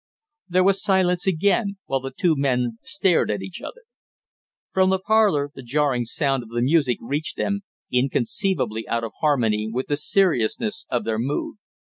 There was silence again, while the two men stared at each other. From the parlor the jarring sound of the music reached them, inconceivably out of harmony with the seriousness of their mood.